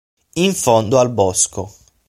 In fondo al bosco